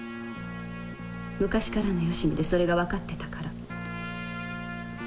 昔からのよしみでそれがわかってたから。